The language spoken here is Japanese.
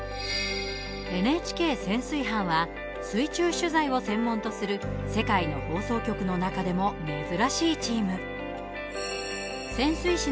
ＮＨＫ潜水班は水中取材を専門とする世界の放送局の中でも珍しいチーム。